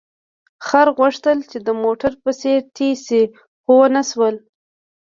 خر غوښتل چې د موټر په څېر تېز شي، خو ونه شول.